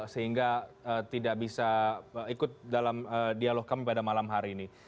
sehingga tidak bisa ikut dalam dialog kami pada malam hari ini